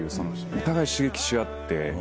お互い刺激し合って。